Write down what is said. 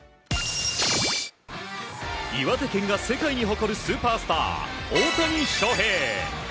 岩手県が世界に誇るスーパースター、大谷翔平。